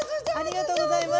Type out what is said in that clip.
ありがとうございます。